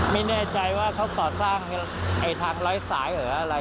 ไม่แน่ใจว่าเขาก่อสร้างทางร้อยสายหรืออะไร